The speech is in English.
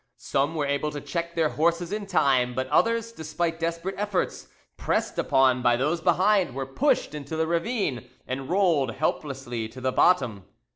Some were able to check their horses in time, but others, despite desperate efforts, pressed upon by those behind, were pushed into the ravine, and rolled helplessly to the bottom.